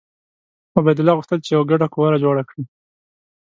عبیدالله غوښتل چې یوه ګډه قوه جوړه کړي.